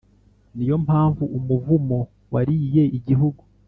Ni yo mpamvu umuvumo wariye igihugu